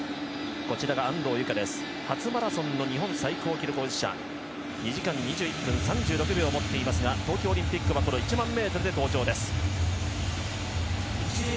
安藤友香は初マラソンの日本最高記録保持者２時間２１分３６秒を持っていますが東京オリンピックは１００００ｍで登場です。